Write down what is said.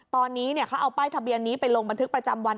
ตอนนี้เขาเอาป้ายทะเบียนนี้ไปลงบันทึกประจำวัน